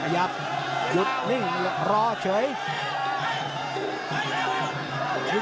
ยักษ์หยุดนิ่งรอเฉย